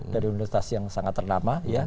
dari universitas yang sangat ternama